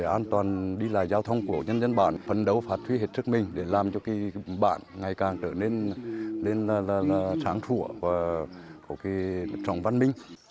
an toàn đi lại giao thông của nhân dân bản phấn đấu phát triển hết trước mình để làm cho bạn ngày càng trở nên tráng trụa và trọng văn minh